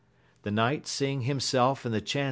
The knight seeing himself in the ddauo.